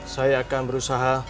saya akan berusaha